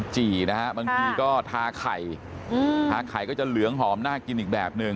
จี่นะฮะบางทีก็ทาไข่ทาไข่ก็จะเหลืองหอมน่ากินอีกแบบหนึ่ง